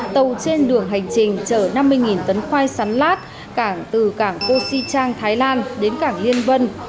tàu trên đường hành trình chở năm mươi tấn khoai sắn lát từ cảng cô si trang thái lan đến cảng liên vân